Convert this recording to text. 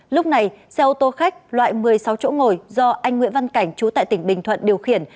lúc này xe ô tô khách loại một mươi sáu chỗ ngồi do anh nguyễn văn cảnh chú tại tỉnh bình thuận điều khiển